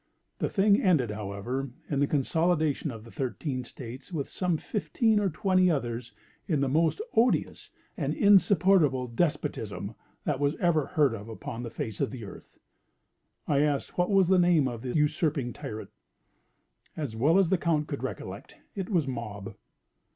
The thing ended, however, in the consolidation of the thirteen states, with some fifteen or twenty others, in the most odious and insupportable despotism that was ever heard of upon the face of the Earth. I asked what was the name of the usurping tyrant. As well as the Count could recollect, it was Mob.